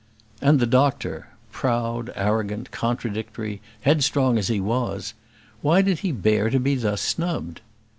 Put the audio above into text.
And the doctor proud, arrogant, contradictory, headstrong as he was why did he bear to be thus snubbed?